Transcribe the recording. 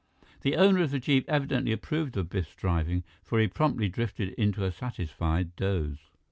The owner of the jeep evidently approved of Biff's driving, for he promptly drifted into a satisfied doze.